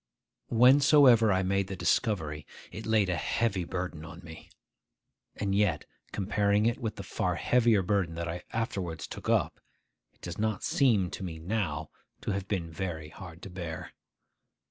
Whensoever I made the discovery, it laid a heavy burden on me. And yet, comparing it with the far heavier burden that I afterwards took up, it does not seem to me now to have been very hard to bear.